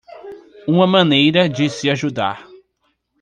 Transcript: uma maneira de se ajudar